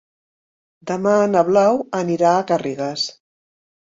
Demà na Blau anirà a Garrigàs.